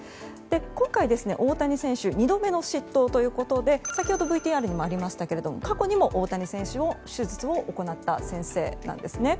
今回、大谷選手２度目の執刀ということで先ほどＶＴＲにありましたが過去にも大谷選手の手術を行った先生なんですね。